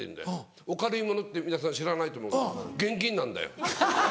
お軽いものって皆さん知らないと思うけど現金なんだよ。